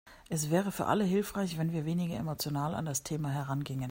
Es wäre für alle hilfreich, wenn wir weniger emotional an das Thema herangingen.